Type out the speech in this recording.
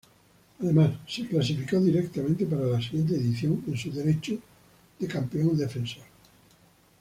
Además, se clasificó directamente para la siguiente edición, en su derecho de campeón defensor.